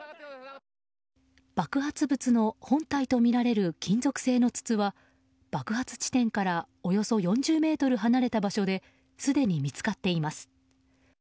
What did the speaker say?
爆発物の本体とみられる金属製の筒は爆発地点からおよそ４０ｍ離れた場所ですでに見つかっています。